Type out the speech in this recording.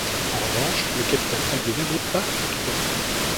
En revanche, le capital aliéné n'est pas récupérable.